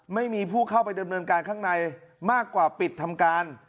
ไม่มีผู้เข้าไปดำเนินการข้างในมากกว่าปิดทำการ